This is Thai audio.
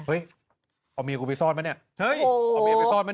เอ้ยเอาเมียกูไปซ่อนมั้ยเนี่ย